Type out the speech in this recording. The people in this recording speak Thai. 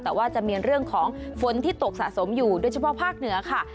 แต่ว่าจะมีเรื่องของฝนที่ตกสะสมอยู่โดยเฉพาะภาคเหนือค่ะ